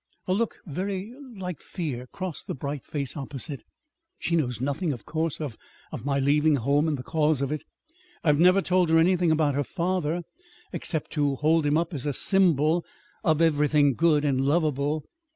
A look very like fear crossed the bright face opposite. "She knows nothing, of course, of of my leaving home and the cause of it. I've never told her anything of her father except to hold him up as a symbol of everything good and lovable.